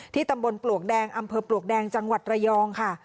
ตำบลปลวกแดงอำเภอปลวกแดงจังหวัดระยองค่ะ